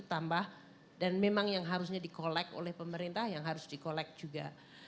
tambah dan memang yang harusnya di collect oleh pemerintah yang harus di collect juga